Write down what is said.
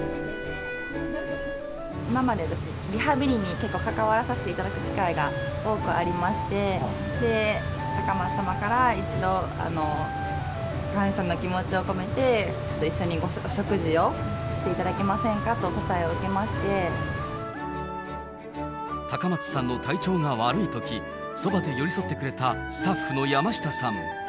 今までリハビリに結構かかわらさせていただく機会が多くありまして、高松様から一度、感謝の気持ちを込めて一緒にお食事をしていただけませんかとお誘高松さんの体調が悪いとき、そばで寄り添ってくれたスタッフのやましたさん。